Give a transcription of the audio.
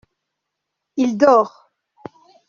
Il dort.